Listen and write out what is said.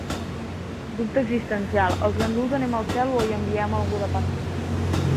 Dubte existencial: els ganduls anem al cel, o hi enviem algú de part nostra?